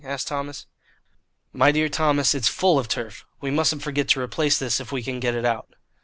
asked Thomas. "My dear Thomas, it's full of turf. We mustn't forget to replace this if we can get it out.